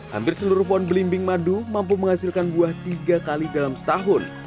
hampir seluruh pohon belimbing madu mampu menghasilkan buah tiga kali dalam setahun